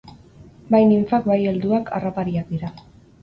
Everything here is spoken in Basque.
Bai ninfak, bai helduak, harrapariak dira.